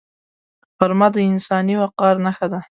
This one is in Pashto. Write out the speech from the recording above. غرمه د انساني وقار نښه ده